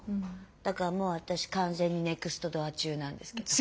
だからもう私完全にネクストドア中なんですけど。